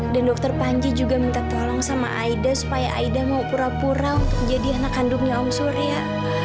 dan dokter panji juga minta tolong sama aida supaya aida mau pura pura untuk jadi anak kandungnya om surya